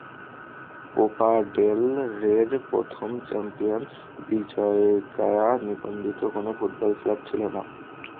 Copa del রের প্রথম champion Bizkaia নিবন্ধিত কোনো ফুটবল ক্লাব ছিল না।